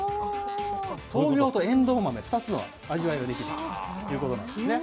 豆苗とえんどう豆、２つを味わえるということなんですね。